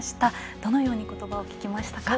どのようにことばを聞きましたか。